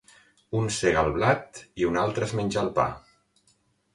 Un sega el blat i un altre es menja el pa.